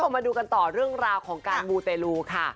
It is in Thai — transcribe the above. มาดูกันต่อเรื่องราวของการมูเตลูค่ะ